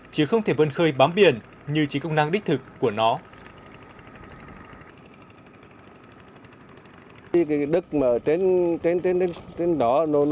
chứ không thể vươn khơi bám biển như chính công năng đích thực của nó